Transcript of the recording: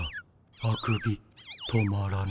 あくび止まらない。